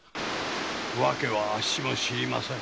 訳はあっしも知りません。